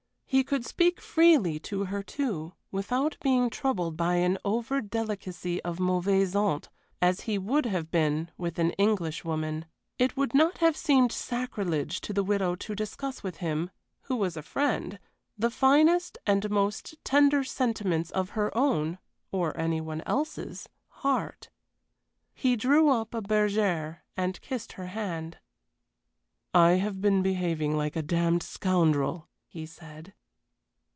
He could speak freely to her, too, without being troubled by an over delicacy of mauvaise honte, as he would have been with an Englishwoman. It would not have seemed sacrilege to the widow to discuss with him who was a friend the finest and most tender sentiments of her own, or any one else's, heart. He drew up a bergère and kissed her hand. "I have been behaving like a damned scoundrel," he said.